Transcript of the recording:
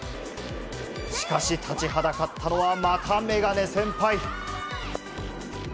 しかし、立ちはだかったのはまたメガネ先輩。